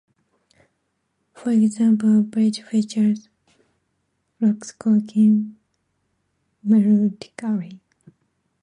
For example, a bridge features frogs croaking melodically.